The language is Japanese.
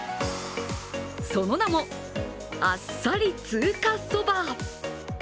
その名も、あっさり通過そば。